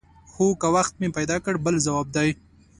هو که وخت مې پیدا کړ بل ځواب دی.